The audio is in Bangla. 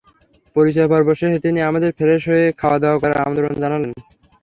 পরিচয় পর্ব শেষে তিনি আমাদের ফ্রেশ হয়ে খাওয়া-দাওয়া করার আমন্ত্রণ জানালেন।